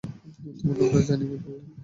তোমার নামটা জানি কী বললে?